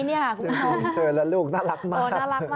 เธอแล้วลูกน่ารักมาก